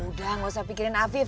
udah gak usah pikirin afif